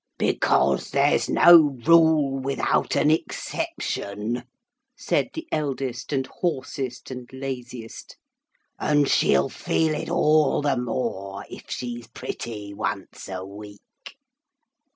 'Because there's no rule without an exception,' said the eldest and hoarsest and laziest, 'and she'll feel it all the more if she's pretty once a week.